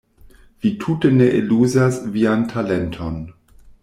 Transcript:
Vi tute ne eluzas vian talenton.